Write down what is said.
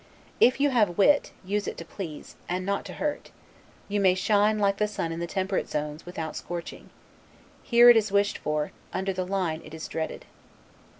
If you have wit, use it to please, and not to hurt: you may shine, like the sun in the temperate zones, without scorching. Here it is wished for; under the Line it is dreaded.